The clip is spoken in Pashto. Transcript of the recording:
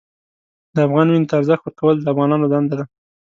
د افغان وینې ته ارزښت ورکول د افغانانو دنده ده.